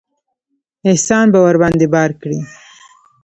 احسان به ورباندې بار کړي.